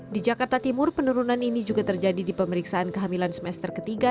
di jakarta timur penurunan ini juga terjadi di pemeriksaan kehamilan semester ketiga